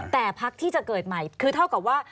แต่พักที่จะเกิดใหม่คือเท่ากับว่า